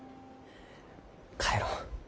帰ろう。